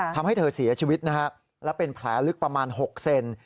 ทำให้เธอเสียชีวิตนะฮะและเป็นแผลลึกประมาณ๖เซน